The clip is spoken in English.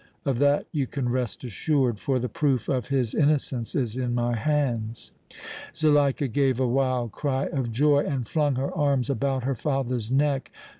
Of that you can rest assured, for the proof of his innocence is in my hands!" Zuleika gave a wild cry of joy and flung her arms about her father's neck.